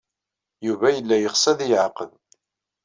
Yuba yella yeɣs ad iyi-iɛaqeb.